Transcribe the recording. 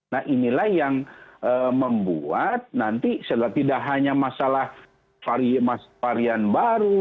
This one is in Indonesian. nah inilah yang membuat nanti setelah tidak hanya masalah varian baru